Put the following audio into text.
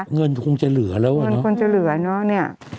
เงินคงจะเหลือแล้วเนอะ